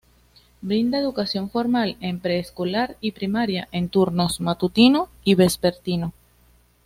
Brinda educación formal en preescolar y primaria en turnos matutino y vespertino.